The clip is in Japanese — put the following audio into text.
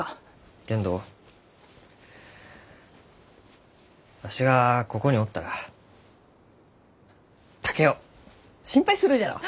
けんどわしがここにおったら竹雄心配するじゃろう？